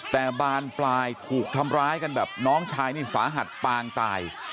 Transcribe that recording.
แต่บานปลายถูกทำร้ายกันแบบน้องชายนี่สาหัสปางตาย